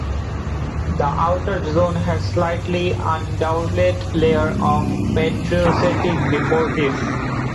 The outer zone has slightly undulated layers of Proterozoic deposits.